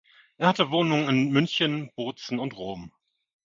Er hatte Wohnungen in München, Bozen und Rom.